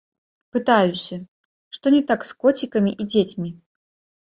Пытаюся, што не так з коцікамі і дзецьмі.